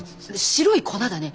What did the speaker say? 白い粉だね。